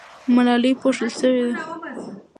ملالۍ پوښتل سوې ده.